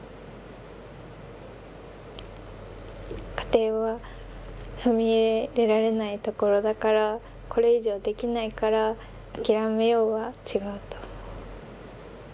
「家庭は踏み入れられないところだからこれ以上できないから諦めよう」は違うと思う。